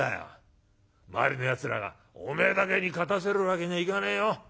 周りのやつらが『おめえだけに勝たせるわけにはいかねえよ。